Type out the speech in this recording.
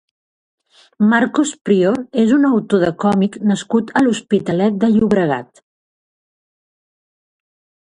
Marcos Prior és un autor de còmic nascut a l'Hospitalet de Llobregat.